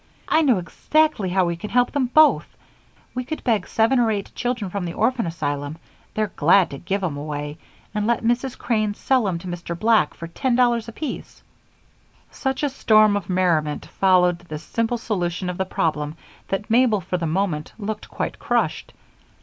"I know exactly how we could help them both. We could beg seven or eight children from the orphan asylum they're glad to give 'em away and let Mrs. Crane sell 'em to Mr. Black for for ten dollars apiece." Such a storm of merriment followed this simple solution of the problem that Mabel for the moment looked quite crushed.